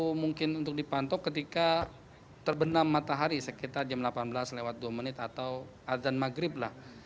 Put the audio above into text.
itu mungkin untuk dipantau ketika terbenam matahari sekitar jam delapan belas lewat dua menit atau adzan maghrib lah